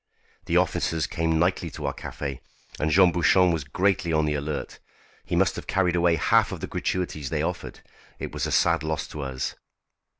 The officers came nightly to our café, and Jean Bouchon was greatly on the alert. He must have carried away half of the gratuities they offered. It was a sad loss to us."